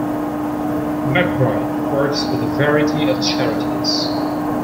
McBride works with a variety of charities.